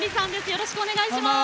よろしくお願いします。